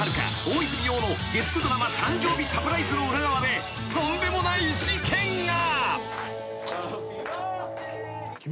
大泉洋の月９ドラマ誕生日サプライズの裏側でとんでもない事件が］